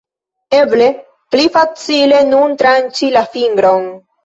Eble, pli facile nun tranĉi la fingron